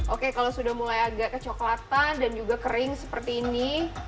oke kalau sudah mulai agak kecoklatan dan juga kering seperti ini